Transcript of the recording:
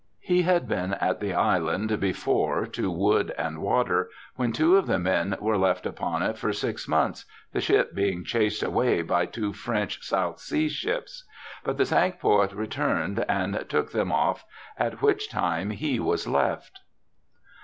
He had been at the island before to wood and water, when two of the men were left upon it for six months, the ship being chased away by two French South Sea ships; but the Cinque Ports returned and took them off, at which time he was left.